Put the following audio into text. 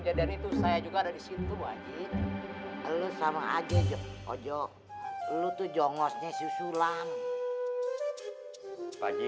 jadian itu saya juga ada di situ wajib sama aja jok hojo lu tuh jongosnya susulan pagi